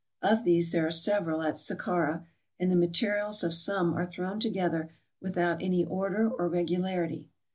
Of these there are several at Sakkara, and the materials of some are thrown together without any order or regularity.